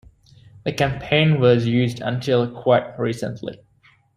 The campaign was used until quite recently.